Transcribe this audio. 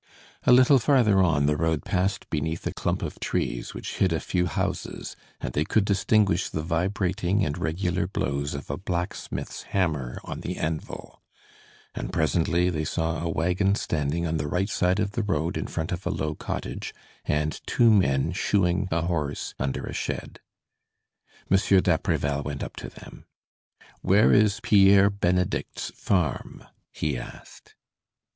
A little farther on the road passed beneath a clump of trees, which hid a few houses, and they could distinguish the vibrating and regular blows of a blacksmith's hammer on the anvil; and presently they saw a wagon standing on the right side of the road in front of a low cottage, and two men shoeing a horse under a shed. Monsieur d'Apreval went up to them. "Where is Pierre Benedict's farm?" he asked.